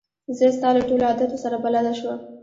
زه ستا له ټولو عادتو سره بلده شوم.